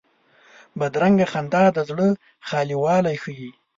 بدرنګه خندا د زړه خالي والی ښيي